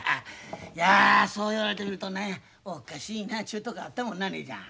いやそう言われてみるとねおっかしいなちゅうとこあったもんな姉ちゃん。